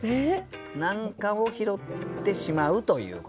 何かを拾ってしまうということでしょうかね。